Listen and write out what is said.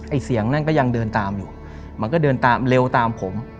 เสียงนั่นก็ยังเดินตามอยู่มันก็เดินตามเร็วตามผม